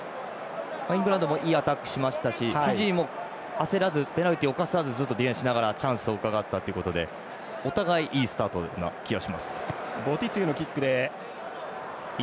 イングランドもいいアタックしましたしフィジーも焦らずペナルティを犯さずディフェンスをしたということでお互い、いいスタートな気がします。